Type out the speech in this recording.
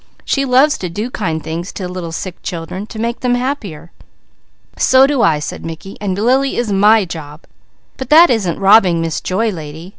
She loves to do kind things to little sick children to make them happier." "So do I," said Mickey. "And Lily is my job. But that isn't robbing Miss Joy Lady.